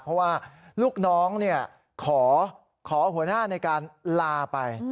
เพราะว่าลูกน้องขอหัวหน้าในการลาไป